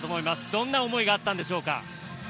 どんな思いがあったんでしょうか？